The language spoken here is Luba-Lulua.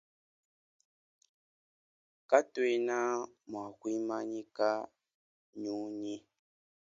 Katuena mua kuimanyika nyunyi.